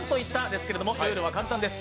ですけれども、ルールは簡単です。